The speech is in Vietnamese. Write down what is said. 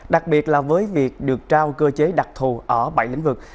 đặc biệt là với việc được trao cơ chế đặc thù ở bảy lĩnh vực